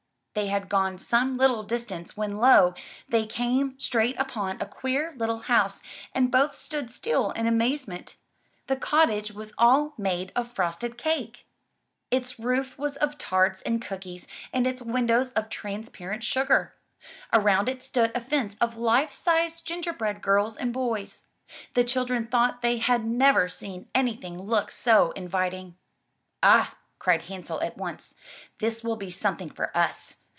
They had gone some little distance when lo! they came straight upon a queer little house and both stood still in amaze ment, — the cottage was all made of frosted cake. Its roof 47 M Y BOOK HOUSE was of tarts and cookies and its windows of transparent sugar. Around it stood a fence of life sized gingerbread girls and boys. The children thought they had never seen anything look so inviting. "Ah," cried Hansel at once, "this will be something for us!